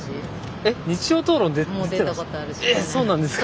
そうなんですか？